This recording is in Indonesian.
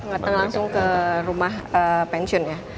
datang langsung ke rumah pensiun ya